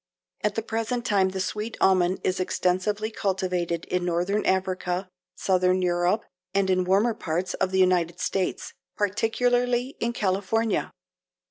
At the present time the sweet almond is extensively cultivated in northern Africa, southern Europe and in the warmer parts of the United States, particularly in California.